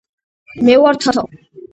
მე ვარ თათა.